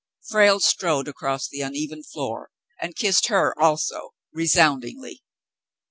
Frale strode across the uneven floor and kissed her also, resoundingly.